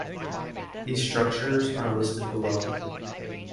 These structures are listed below.